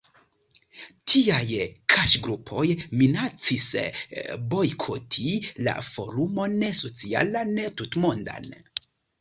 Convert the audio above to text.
Tiaj kaŝgrupoj minacis bojkoti la Forumon Socialan Tutmondan.